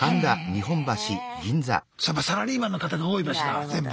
やっぱサラリーマンの方が多い場所だから全部。